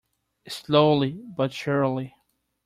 Slowly but surely.